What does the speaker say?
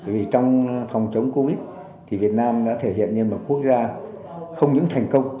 vì trong thòng chống covid thì việt nam đã thể hiện nên một quốc gia không những thành công